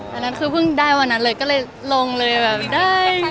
อันนั้นคือเพิ่งได้วันนั้นเลยก็เลยลงเลยแบบได้ค่ะ